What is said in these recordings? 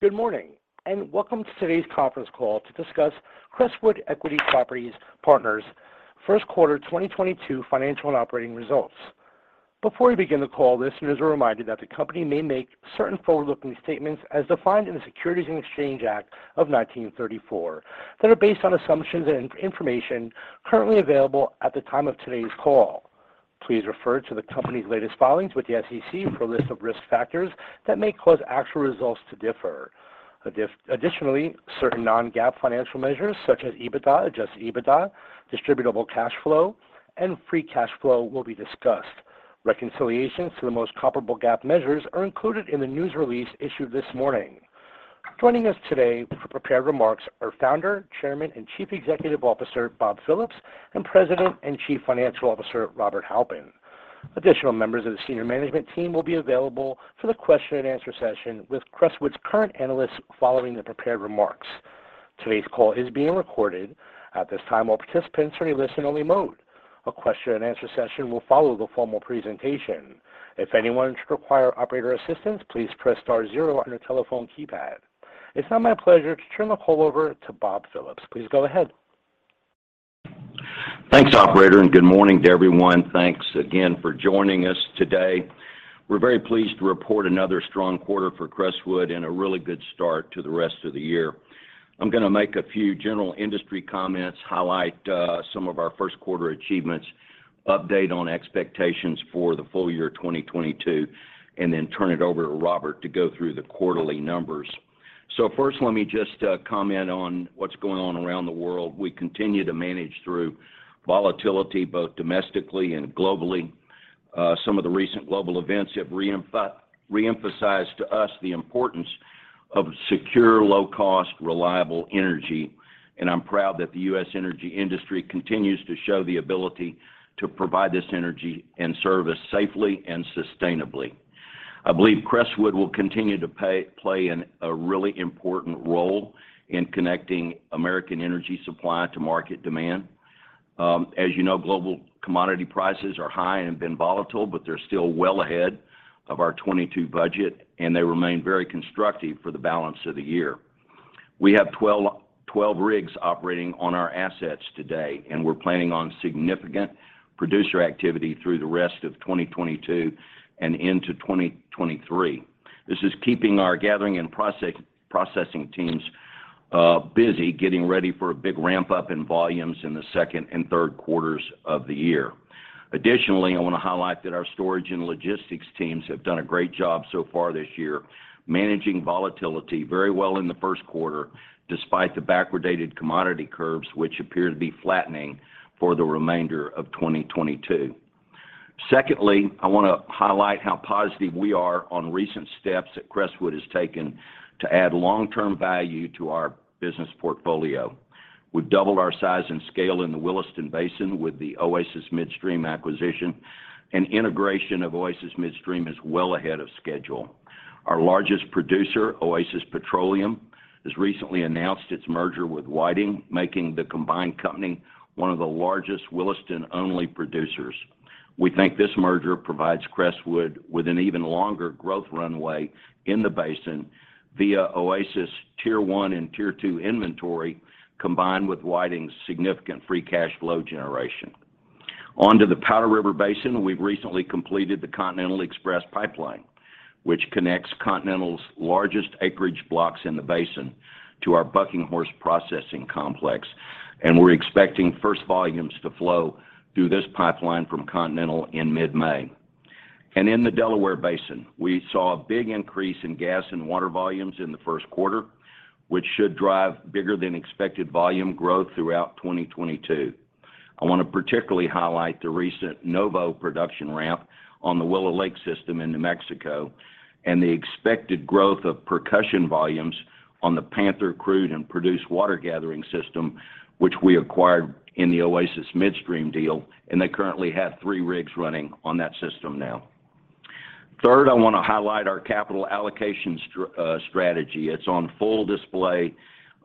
Good morning, and welcome to today's conference call to discuss Crestwood Equity Partners' first quarter 2022 financial and operating results. Before we begin the call, listeners are reminded that the company may make certain forward-looking statements as defined in the Securities and Exchange Act of 1934, that are based on assumptions and information currently available at the time of today's call. Please refer to the company's latest filings with the SEC for a list of risk factors that may cause actual results to differ. Additionally, certain non-GAAP financial measures, such as EBITDA, adjusted EBITDA, distributable cash flow, and free cash flow will be discussed. Reconciliations to the most comparable GAAP measures are included in the news release issued this morning. Joining us today for prepared remarks are Founder, Chairman, and Chief Executive Officer, Bob Phillips, and President and Chief Financial Officer, Robert Halpin. Additional members of the senior management team will be available for the question and answer session with Crestwood's current analysts following the prepared remarks. Today's call is being recorded. At this time, all participants are in listen-only mode. A question and answer session will follow the formal presentation. If anyone should require operator assistance, please press star zero on your telephone keypad. It's now my pleasure to turn the call over to Bob Phillips. Please go ahead. Thanks, operator, and good morning to everyone. Thanks again for joining us today. We're very pleased to report another strong quarter for Crestwood and a really good start to the rest of the year. I'm gonna make a few general industry comments, highlight some of our first quarter achievements, update on expectations for the full year 2022, and then turn it over to Robert to go through the quarterly numbers. First, let me just comment on what's going on around the world. We continue to manage through volatility, both domestically and globally. Some of the recent global events have reemphasized to us the importance of secure, low cost, reliable energy, and I'm proud that the U.S. energy industry continues to show the ability to provide this energy and service safely and sustainably. I believe Crestwood will continue to play in a really important role in connecting American energy supply to market demand. As you know, global commodity prices are high and have been volatile, but they're still well ahead of our 2022 budget, and they remain very constructive for the balance of the year. We have 12 rigs operating on our assets today, and we're planning on significant producer activity through the rest of 2022 and into 2023. This is keeping our gathering and processing teams busy getting ready for a big ramp-up in volumes in the second and third quarters of the year. Additionally, I want to highlight that our storage and logistics teams have done a great job so far this year managing volatility very well in the first quarter, despite the backwardated commodity curves, which appear to be flattening for the remainder of 2022. Secondly, I want to highlight how positive we are on recent steps that Crestwood has taken to add long-term value to our business portfolio. We've doubled our size and scale in the Williston Basin with the Oasis Midstream acquisition, and integration of Oasis Midstream is well ahead of schedule. Our largest producer, Oasis Petroleum, has recently announced its merger with Whiting, making the combined company one of the largest Williston-only producers. We think this merger provides Crestwood with an even longer growth runway in the basin via Oasis tier one and tier two inventory, combined with Whiting's significant free cash flow generation. On to the Powder River Basin. We've recently completed the Continental Express Pipeline, which connects Continental's largest acreage blocks in the basin to our Bucking Horse processing complex, and we're expecting first volumes to flow through this pipeline from Continental in mid-May. In the Delaware Basin, we saw a big increase in gas and water volumes in the first quarter, which should drive bigger than expected volume growth throughout 2022. I want to particularly highlight the recent Novo production ramp on the Willow Lake system in New Mexico and the expected growth of Percussion volumes on the Panther crude and produced water gathering system, which we acquired in the Oasis Midstream deal, and they currently have three rigs running on that system now. Third, I want to highlight our capital allocation strategy. It's on full display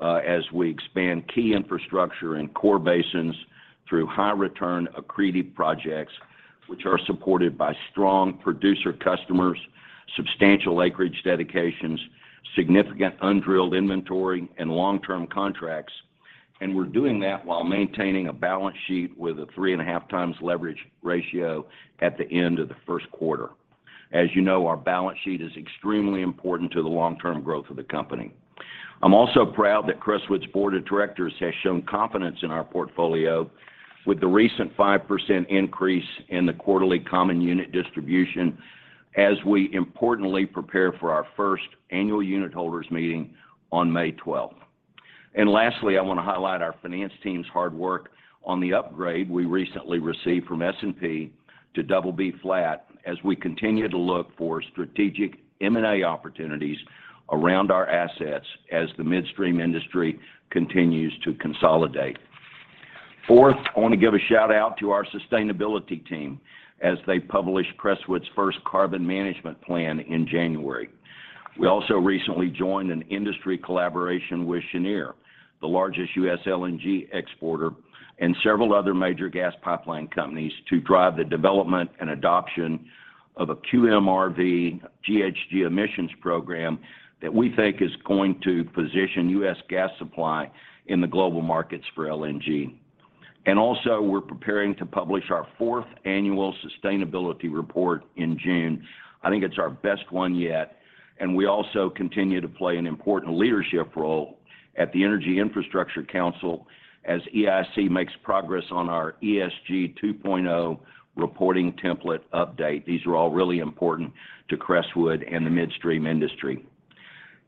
as we expand key infrastructure in core basins through high return accretive projects, which are supported by strong producer customers, substantial acreage dedications, significant undrilled inventory, and long-term contracts. We're doing that while maintaining a balance sheet with a 3.5x leverage ratio at the end of the first quarter. As you know, our balance sheet is extremely important to the long-term growth of the company. I'm also proud that Crestwood's board of directors has shown confidence in our portfolio with the recent 5% increase in the quarterly common unit distribution as we importantly prepare for our first annual unit holders meeting on May 12th. Lastly, I want to highlight our finance team's hard work on the upgrade we recently received from S&P to double B flat as we continue to look for strategic M&A opportunities around our assets as the midstream industry continues to consolidate. Fourth, I want to give a shout-out to our sustainability team as they published Crestwood's first carbon management plan in January. We also recently joined an industry collaboration with Cheniere, the largest U.S. LNG exporter, and several other major gas pipeline companies to drive the development and adoption of a QMRV GHG emissions program that we think is going to position U.S. gas supply in the global markets for LNG. Also, we're preparing to publish our fourth annual sustainability report in June. I think it's our best one yet, and we also continue to play an important leadership role at the Energy Infrastructure Council as EIC makes progress on our ESG 2.0 reporting template update. These are all really important to Crestwood and the midstream industry.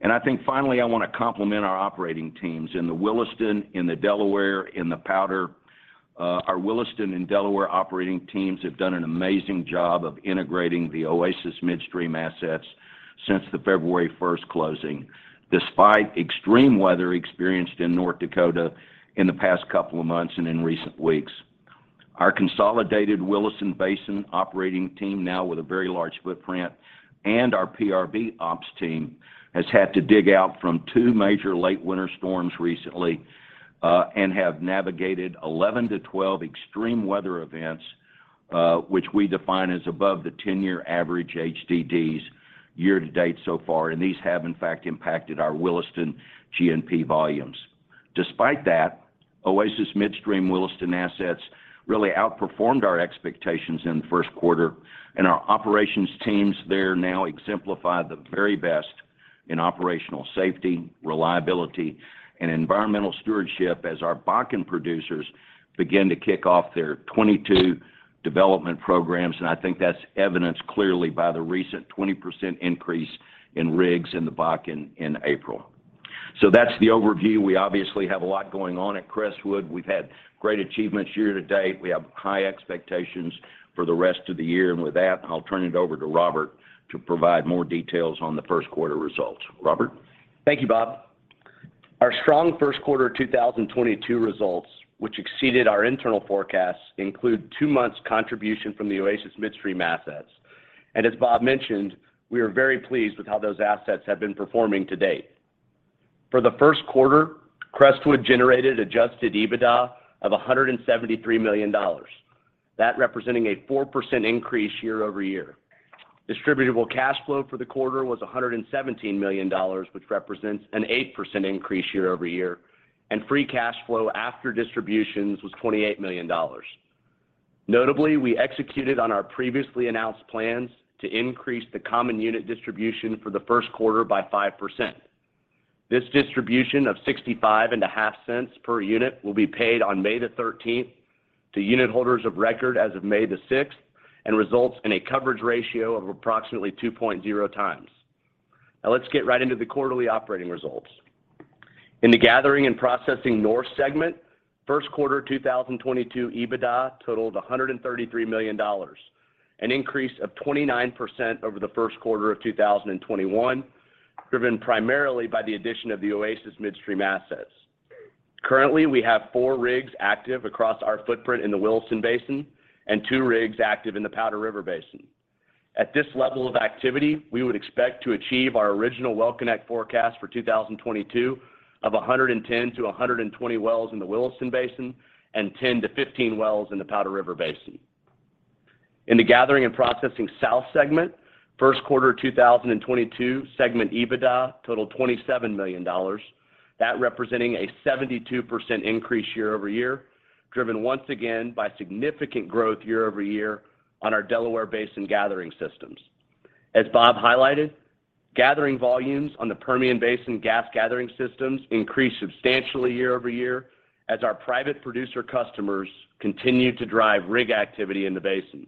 I think finally, I wanna compliment our operating teams in the Williston, in the Delaware, in the Powder. Our Williston and Delaware operating teams have done an amazing job of integrating the Oasis Midstream assets since the February 1st closing, despite extreme weather experienced in North Dakota in the past couple of months and in recent weeks. Our consolidated Williston Basin operating team now with a very large footprint, and our PRB ops team has had to dig out from two major late winter storms recently, and have navigated 11-12 extreme weather events, which we define as above the 10-year average HDDs year to date so far, and these have in fact impacted our Williston G&P volumes. Despite that, Oasis Midstream Williston assets really outperformed our expectations in the first quarter, and our operations teams there now exemplify the very best in operational safety, reliability, and environmental stewardship as our Bakken producers begin to kick off their 2022 development programs, and I think that's evidenced clearly by the recent 20% increase in rigs in the Bakken in April. That's the overview. We obviously have a lot going on at Crestwood. We've had great achievements year to date. We have high expectations for the rest of the year. With that, I'll turn it over to Robert to provide more details on the first quarter results. Robert? Thank you, Bob. Our strong first quarter 2022 results, which exceeded our internal forecasts, include two months' contribution from the Oasis Midstream assets. As Bob mentioned, we are very pleased with how those assets have been performing to date. For the first quarter, Crestwood generated adjusted EBITDA of $173 million, that representing a 4% increase year-over-year. Distributable cash flow for the quarter was $117 million, which represents an 8% increase year-over-year, and free cash flow after distributions was $28 million. Notably, we executed on our previously announced plans to increase the common unit distribution for the first quarter by 5%. This distribution of $0.655 per unit will be paid on May 13th to unit holders of record as of May 6th and results in a coverage ratio of approximately 2.0x. Now let's get right into the quarterly operating results. In the gathering and processing north segment, first quarter 2022 EBITDA totaled $133 million, an increase of 29% over the first quarter of 2021, driven primarily by the addition of the Oasis Midstream assets. Currently, we have four rigs active across our footprint in the Williston Basin and two rigs active in the Powder River Basin. At this level of activity, we would expect to achieve our original well-connect forecast for 2022 of 110-120 wells in the Williston Basin and 10-15 wells in the Powder River Basin. In the gathering and processing south segment, first quarter 2022 segment EBITDA totaled $27 million, that representing a 72% increase year-over-year, driven once again by significant growth year-over-year on our Delaware Basin gathering systems. As Bob highlighted, gathering volumes on the Permian Basin gas gathering systems increased substantially year-over-year as our private producer customers continued to drive rig activity in the basin.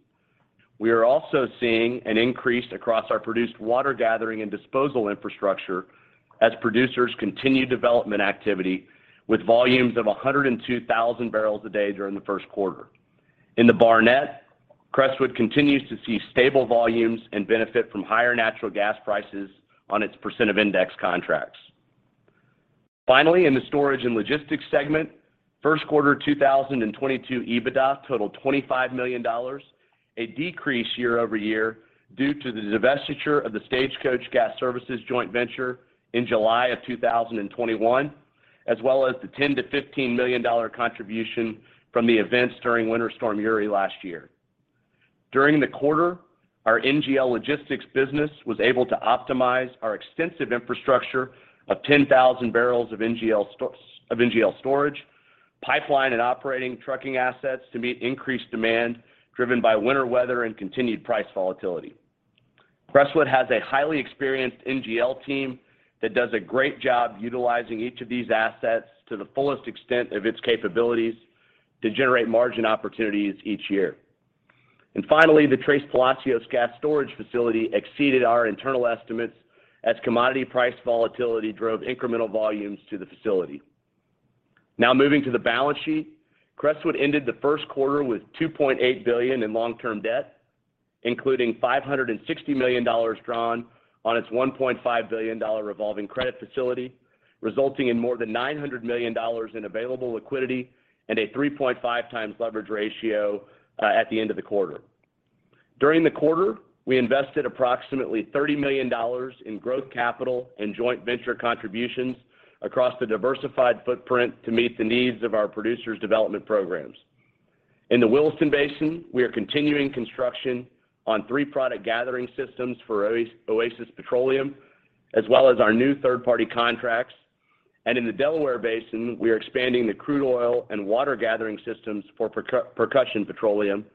We are also seeing an increase across our produced water gathering and disposal infrastructure as producers continue development activity with volumes of 102,000 bbl a day during the first quarter. In the Barnett, Crestwood continues to see stable volumes and benefit from higher natural gas prices on its % of index contracts. Finally, in the storage and logistics segment, first quarter 2022 EBITDA totaled $25 million, a decrease year-over-year due to the divestiture of the Stagecoach Gas Services joint venture in July of 2021, as well as the $10 million-$15 million contribution from the events during Winter Storm Uri last year. During the quarter, our NGL Logistics business was able to optimize our extensive infrastructure of 10,000 bbl of NGL storage, pipeline and operating trucking assets to meet increased demand driven by winter weather and continued price volatility. Crestwood has a highly experienced NGL team that does a great job utilizing each of these assets to the fullest extent of its capabilities to generate margin opportunities each year. Finally, the Tres Palacios gas storage facility exceeded our internal estimates as commodity price volatility drove incremental volumes to the facility. Now moving to the balance sheet, Crestwood ended the first quarter with $2.8 billion in long-term debt, including $560 million drawn on its $1.5 billion revolving credit facility, resulting in more than $900 million in available liquidity and a 3.5x leverage ratio at the end of the quarter. During the quarter, we invested approximately $30 million in growth capital and joint venture contributions across the diversified footprint to meet the needs of our producers' development programs. In the Williston Basin, we are continuing construction on three producer gathering systems for Oasis Petroleum, as well as our new third-party contracts. In the Delaware Basin, we are expanding the crude oil and water gathering systems for Percussion Petroleum,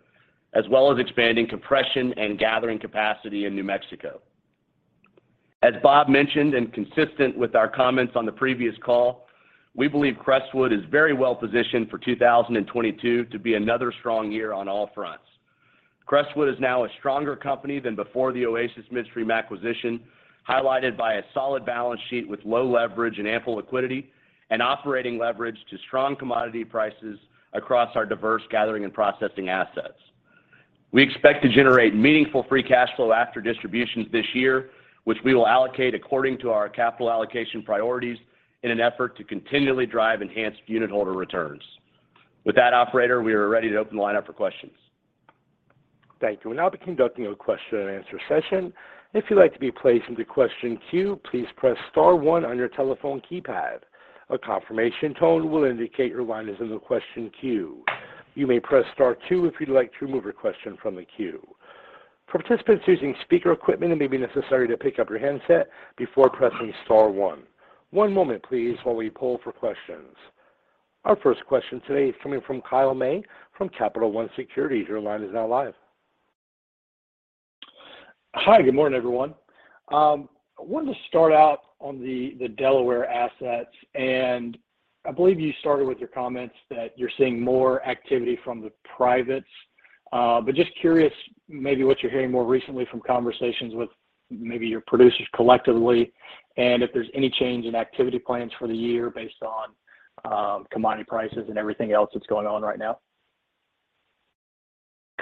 as well as expanding compression and gathering capacity in New Mexico. As Bob mentioned, and consistent with our comments on the previous call, we believe Crestwood is very well-positioned for 2022 to be another strong year on all fronts. Crestwood is now a stronger company than before the Oasis Midstream acquisition, highlighted by a solid balance sheet with low leverage and ample liquidity, and operating leverage to strong commodity prices across our diverse gathering and processing assets. We expect to generate meaningful free cash flow after distributions this year, which we will allocate according to our capital allocation priorities in an effort to continually drive enhanced unitholder returns. With that, operator, we are ready to open the line up for questions. Thank you. We'll now be conducting a question-and-answer session. If you'd like to be placed into question queue, please press star one on your telephone keypad. A confirmation tone will indicate your line is in the question queue. You may press star two if you'd like to remove your question from the queue. For participants using speaker equipment, it may be necessary to pick up your handset before pressing star one. One moment, please, while we poll for questions. Our first question today is coming from Kyle May from Capital One Securities. Your line is now live. Hi, good morning, everyone. I wanted to start out on the Delaware assets, and I believe you started with your comments that you're seeing more activity from the privates. But just curious maybe what you're hearing more recently from conversations with maybe your producers collectively, and if there's any change in activity plans for the year based on commodity prices and everything else that's going on right now.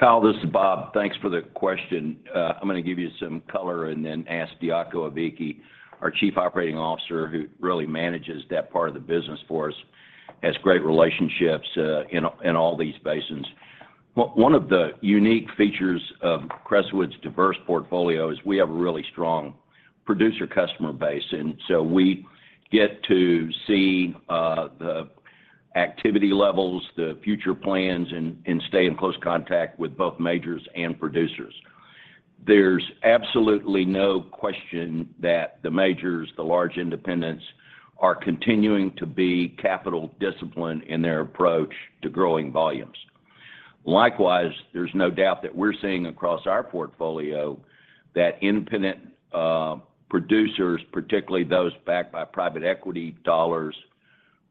Kyle, this is Bob. Thanks for the question. I'm gonna give you some color and then ask Diaco Aviki, our Chief Operating Officer, who really manages that part of the business for us, has great relationships in all these basins. One of the unique features of Crestwood's diverse portfolio is we have a really strong producer customer base, and so we get to see the activity levels, the future plans, and stay in close contact with both majors and producers. There's absolutely no question that the majors, the large independents, are continuing to be capital disciplined in their approach to growing volumes. Likewise, there's no doubt that we're seeing across our portfolio that independent producers, particularly those backed by private equity dollars,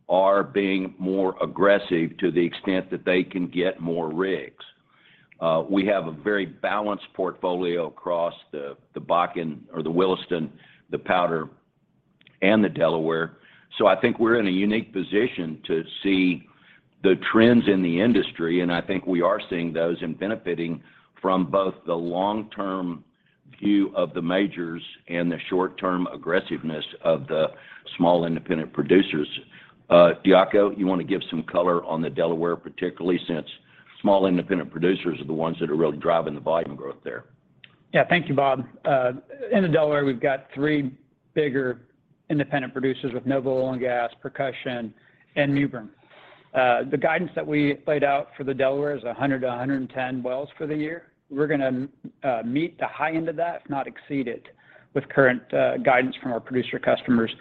are being more aggressive to the extent that they can get more rigs. We have a very balanced portfolio across the Bakken or the Williston, the Powder, and the Delaware. I think we're in a unique position to see the trends in the industry, and I think we are seeing those and benefiting from both the long-term view of the majors and the short-term aggressiveness of the small independent producers. Diaco, you want to give some color on the Delaware, particularly since small independent producers are the ones that are really driving the volume growth there? Yeah. Thank you, Bob. In the Delaware, we've got three bigger independent producers with Novo Oil & Gas, Percussion Petroleum, and Mewbourne. The guidance that we laid out for the Delaware is 100-110 wells for the year. We're gonna meet the high end of that, if not exceed it, with current guidance from our producer customers.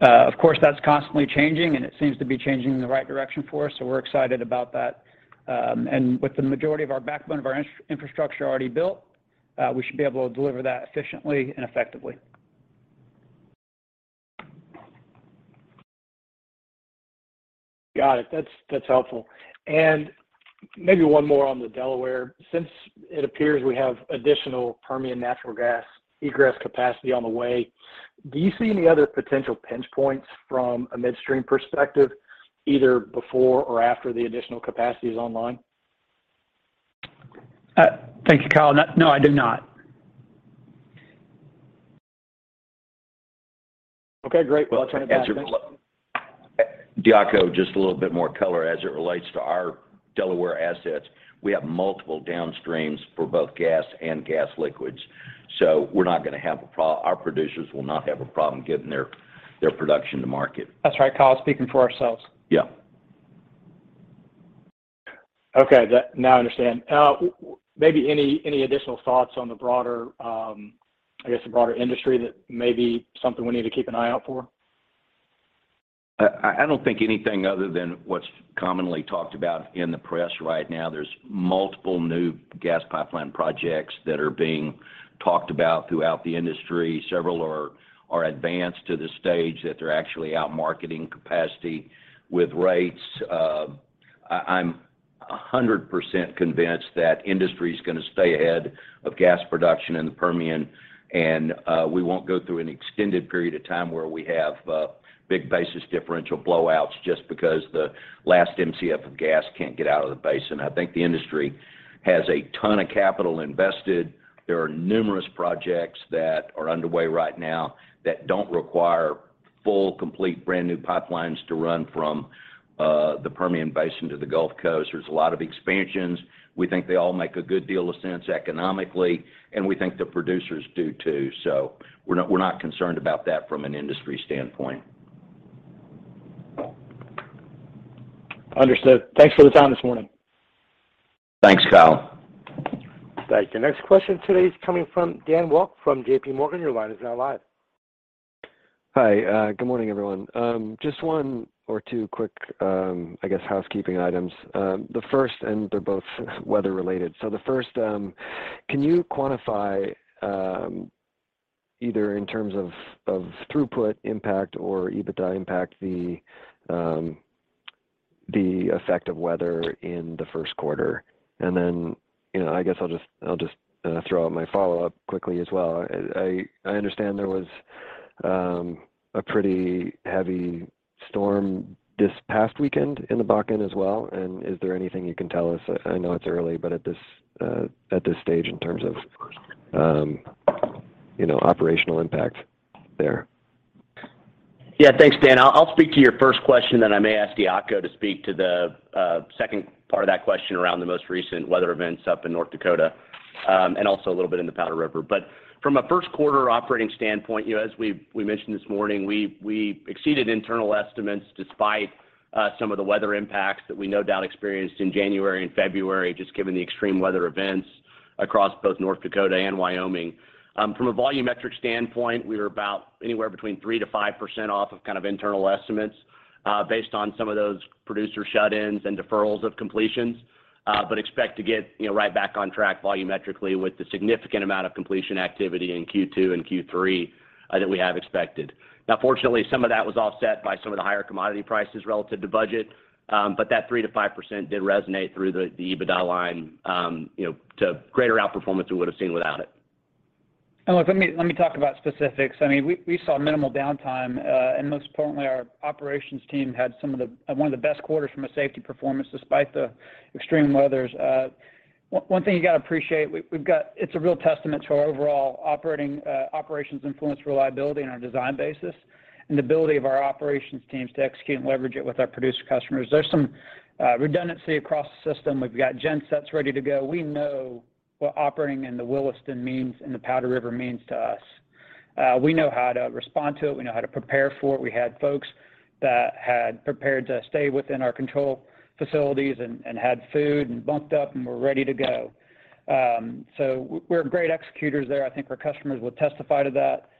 Of course, that's constantly changing, and it seems to be changing in the right direction for us, so we're excited about that. With the majority of our backbone of our infrastructure already built, we should be able to deliver that efficiently and effectively. Got it. That's helpful. Maybe one more on the Delaware. Since it appears we have additional Permian natural gas egress capacity on the way, do you see any other potential pinch points from a midstream perspective, either before or after the additional capacity is online? Thank you, Kyle. No, I do not. Okay, great. Well, I'll turn it back. Diaco, just a little bit more color as it relates to our Delaware assets. We have multiple downstreams for both gas and gas liquids, so our producers will not have a problem getting their production to market. That's right, Kyle. Speaking for ourselves. Yeah. Okay. Now I understand. Maybe any additional thoughts on the broader, I guess, the broader industry that may be something we need to keep an eye out for? I don't think anything other than what's commonly talked about in the press right now. There's multiple new gas pipeline projects that are being talked about throughout the industry. Several are advanced to the stage that they're actually out marketing capacity with rates. I'm 100% convinced that industry's gonna stay ahead of gas production in the Permian, and we won't go through an extended period of time where we have big basis differential blowouts just because the last MCF of gas can't get out of the basin. I think the industry has a ton of capital invested. There are numerous projects that are underway right now that don't require full, complete brand-new pipelines to run from the Permian Basin to the Gulf Coast. There's a lot of expansions. We think they all make a good deal of sense economically, and we think the producers do too. We're not concerned about that from an industry standpoint. Understood. Thanks for the time this morning. Thanks, Kyle. Thank you. Next question today is coming from Dan Walker from J.P. Morgan. Your line is now live. Hi. Good morning, everyone. Just one or two quick, I guess housekeeping items. They're both weather-related. The first, can you quantify, either in terms of throughput impact or EBITDA impact, the effect of weather in the first quarter? Then, you know, I guess I'll just throw out my follow-up quickly as well. I understand there was a pretty heavy storm this past weekend in the Bakken as well. Is there anything you can tell us, I know it's early, but at this stage in terms of, you know, operational impact there? Yeah. Thanks, Dan. I'll speak to your first question, then I may ask Diaco to speak to the second part of that question around the most recent weather events up in North Dakota, and also a little bit in the Powder River. From a first quarter operating standpoint, you know, as we mentioned this morning, we exceeded internal estimates despite some of the weather impacts that we no doubt experienced in January and February, just given the extreme weather events across both North Dakota and Wyoming. From a volumetric standpoint, we were about anywhere between 3%-5% off of kind of internal estimates, based on some of those producer shut-ins and deferrals of completions. Expect to get, you know, right back on track volumetrically with the significant amount of completion activity in Q2 and Q3 that we have expected. Now, fortunately, some of that was offset by some of the higher commodity prices relative to budget, but that 3%-5% did resonate through the EBITDA line, you know, to greater outperformance we would've seen without it. Look, let me talk about specifics. I mean, we saw minimal downtime, and most importantly, our operations team had one of the best quarters from a safety performance despite the extreme weather. One thing you got to appreciate, it's a real testament to our overall operational reliability on our design basis, and the ability of our operations teams to execute and leverage it with our producer customers. There's some redundancy across the system. We've got gensets ready to go. We know what operating in the Williston means, in the Powder River means to us. We know how to respond to it. We know how to prepare for it. We had folks that had prepared to stay within our control facilities and had food and bunked up and were ready to go. We're great executors there. I think our customers will testify to that.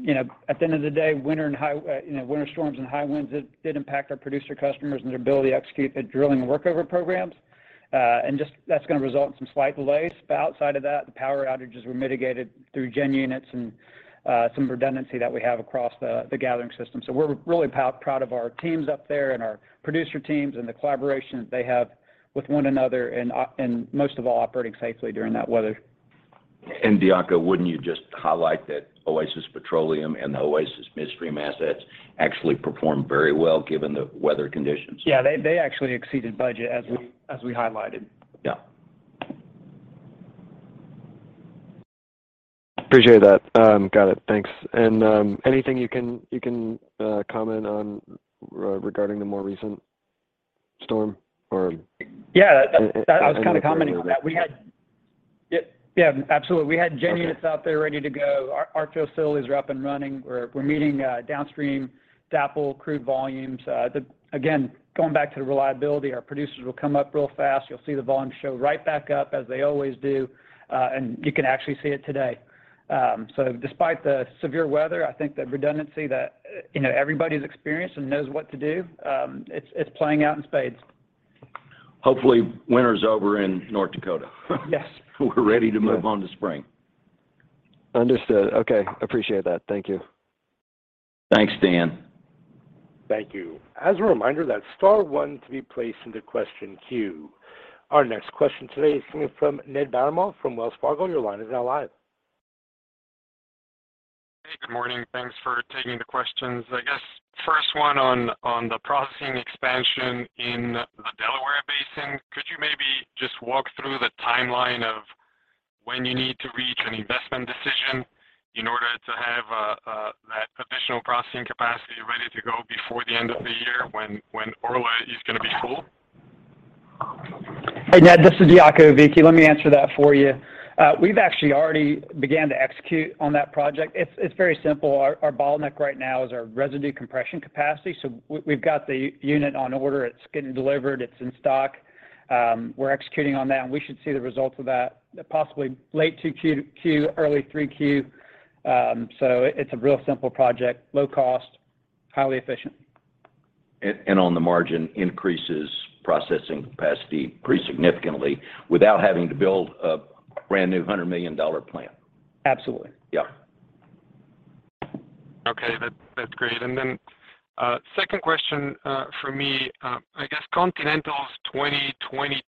You know, at the end of the day, winter storms and high winds did impact our producer customers and their ability to execute the drilling and workover programs. That's gonna result in some slight delays. Outside of that, the power outages were mitigated through gen units and some redundancy that we have across the gathering system. We're really proud of our teams up there and our producer teams and the collaboration that they have with one another and most of all, operating safely during that weather. Diaco, wouldn't you just highlight that Oasis Petroleum and the Oasis midstream assets actually performed very well given the weather conditions? Yeah. They actually exceeded budget. Yeah As we highlighted. Yeah. Appreciate that. Got it. Thanks. Anything you can comment on regarding the more recent storm or. Yeah. Any. I was kind of commenting on that. We had. Okay. Yeah, absolutely. We had gen units. Okay Out there ready to go. Our facilities are up and running. We're meeting downstream DAPL crude volumes. Again, going back to the reliability, our producers will come up real fast. You'll see the volumes show right back up as they always do. You can actually see it today. Despite the severe weather, I think the redundancy that you know everybody's experienced and knows what to do, it's playing out in spades. Hopefully winter is over in North Dakota. Yes. We're ready to move on to spring. Understood. Okay. Appreciate that. Thank you. Thanks, Dan. Thank you. As a reminder, that's star one to be placed into question queue. Our next question today is coming from Ned Baramov from Wells Fargo. Your line is now live. Hey, good morning. Thanks for taking the questions. I guess first one on the processing expansion in the Delaware Basin. Could you maybe just walk through the timeline of when you need to reach an investment decision in order to have that additional processing capacity ready to go before the end of the year when Orla is gonna be full? Hey, Ned. This is Diaco Aviki. Let me answer that for you. We've actually already began to execute on that project. It's very simple. Our bottleneck right now is our residue compression capacity. So we've got the unit on order. It's getting delivered. It's in stock. We're executing on that, and we should see the results of that possibly late 2Q to 3Q, early 3Q. So it's a real simple project, low cost, highly efficient. On the margin increases processing capacity pretty significantly without having to build a brand-new $100 million plant. Absolutely. Yeah. Okay. That's great. Second question for me, I guess Continental's 2022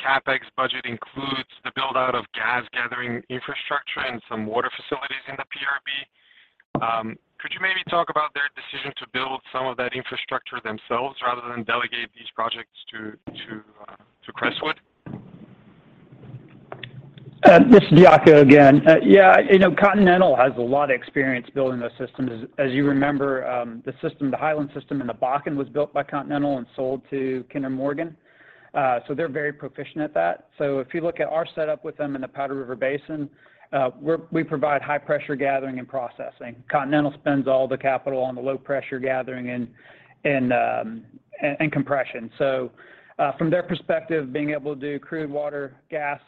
CapEx budget includes the build-out of gas gathering infrastructure and some water facilities in the PRB. Could you maybe talk about their decision to build some of that infrastructure themselves rather than delegate these projects to Crestwood? This is Diaco again. Continental has a lot of experience building those systems. You remember, the system, the Hiland system in the Bakken was built by Continental and sold to Kinder Morgan. They're very proficient at that. If you look at our setup with them in the Powder River Basin, we provide high pressure gathering and processing. Continental spends all the capital on the low pressure gathering and compression. From their perspective, being able to do crude water, gas,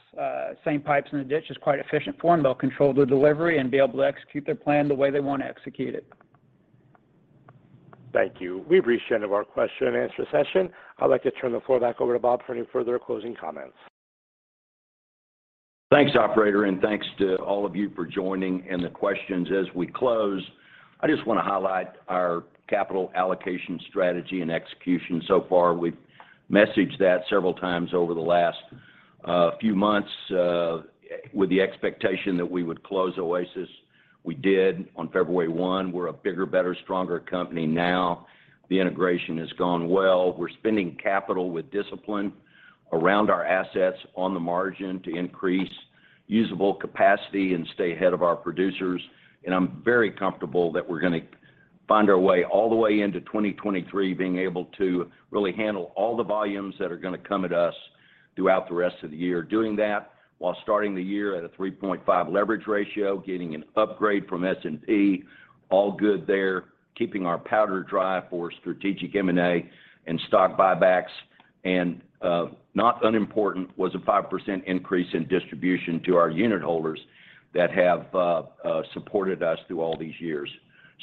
same pipes in the ditch is quite efficient for them. They'll control the delivery and be able to execute their plan the way they want to execute it. Thank you. We've reached the end of our question-and-answer session. I'd like to turn the floor back over to Bob for any further closing comments. Thanks, operator, and thanks to all of you for joining and the questions. As we close, I just want to highlight our capital allocation strategy and execution so far. We've messaged that several times over the last few months with the expectation that we would close Oasis. We did on February 1. We're a bigger, better, stronger company now. The integration has gone well. We're spending capital with discipline around our assets on the margin to increase usable capacity and stay ahead of our producers. I'm very comfortable that we're going to find our way all the way into 2023, being able to really handle all the volumes that are going to come at us throughout the rest of the year. Doing that while starting the year at a 3.5x leverage ratio, getting an upgrade from S&P, all good there. Keeping our powder dry for strategic M&A and stock buybacks. Not unimportant was a 5% increase in distribution to our unit holders that have supported us through all these years.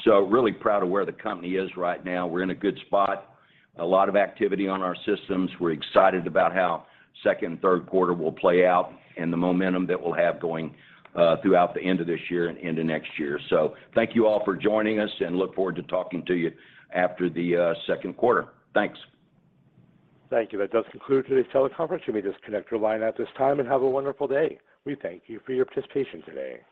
Really proud of where the company is right now. We're in a good spot. A lot of activity on our systems. We're excited about how second and third quarter will play out and the momentum that we'll have going throughout the end of this year and into next year. Thank you all for joining us, and I look forward to talking to you after the second quarter. Thanks. Thank you. That does conclude today's teleconference. You may disconnect your line at this time, and have a wonderful day. We thank you for your participation today.